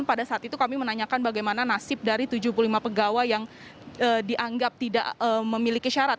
pada saat itu kami menanyakan bagaimana nasib dari tujuh puluh lima pegawai yang dianggap tidak memiliki syarat